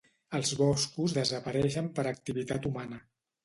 Els boscos desapareixen per activitat humana.